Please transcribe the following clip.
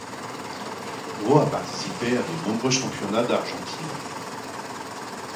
Grau a participé à de nombreux championnats d'Argentine.